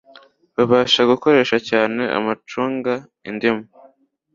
Babasha gukoresha cyane amacunga indimu